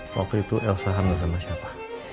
waktu itu elsa hamil sama siapa